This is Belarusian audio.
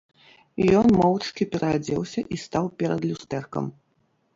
Ён моўчкі пераадзеўся і стаў перад люстэркам.